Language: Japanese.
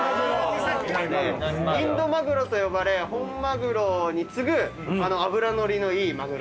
インドマグロと呼ばれ本マグロに次ぐ脂乗りのいいマグロ。